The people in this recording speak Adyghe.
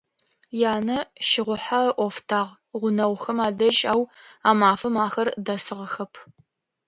Янэ щыгъухьэ ыӏофтагъ гъунэгъухэм адэжь, ау а мафэм ахэр дэсыгъэхэп.